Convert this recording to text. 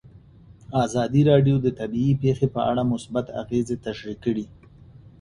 ازادي راډیو د طبیعي پېښې په اړه مثبت اغېزې تشریح کړي.